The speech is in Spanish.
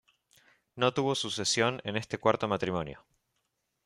No tuvo sucesión en este cuarto matrimonio.